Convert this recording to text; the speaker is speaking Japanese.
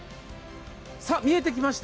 見えてきました、